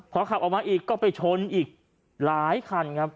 พอขับออกมาอีกก็ไปชนอีกหลายคันครับ